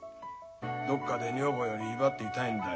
どっかで女房より威張っていたいんだよ。